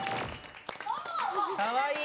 かわいい。